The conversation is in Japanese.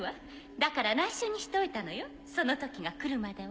だから内緒にしておいたのよその時が来るまでは。